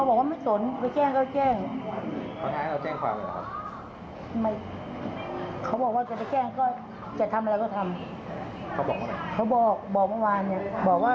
เสื่อมเสียชื่อเสียงก็เลยต้องไปแจ้งความเพราะว่ารับไม่ได้ที่อีกฝ่ายนึงมากระทำลูกสาวแม่อยู่ฝ่ายเดียวค่ะ